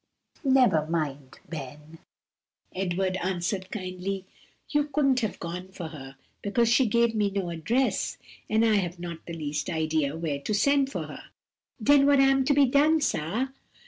"Never mind, Ben," Edward answered kindly, "you couldn't have gone for her, because she gave me no address, and I have not the least idea where to send for her." "Den what am to be done, sah?"